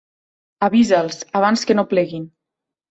Avisa'ls, abans que no pleguin.